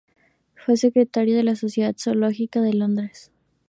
Fue secretario de la Sociedad Zoológica de Londres.